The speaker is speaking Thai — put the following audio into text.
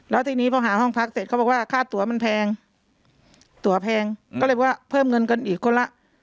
แล้วทีนี้พอหาห้องพักเสร็จเขาบอกว่าค่าตัวมันแพงตัวแพงก็เลยว่าเพิ่มเงินกันอีกคนละ